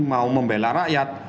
mau membela rakyat